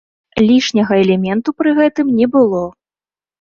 Лішняга элементу пры гэтым не было.